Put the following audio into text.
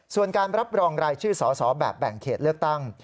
ส่วนการรับรองรายชื่อสอสอแบบแบ่งเขตเลือกตั้ง